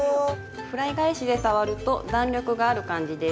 フライ返しで触ると弾力がある感じです。